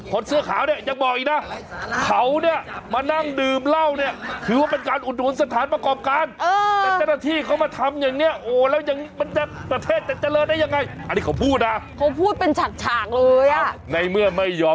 ขนเสื้อขาวเนี่ยยังบอกอีกนะเขาเนี่ยมานั่งดื่มเหร้าเนี่ยถือว่าเป็นการอุดหนุนสถานประกอบการ